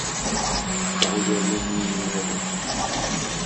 Sseɣyalen inelmaden.